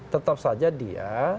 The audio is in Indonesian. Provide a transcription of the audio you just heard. tetap saja dia